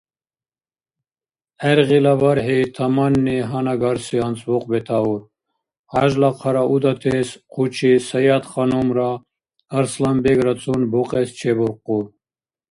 ГӀергъила бархӀи таманни гьанагарси анцӀбукь бетаур: хӀяжла хъара удатес хъучи Саятханумра Арсланбеграцун букьес чебуркъуб.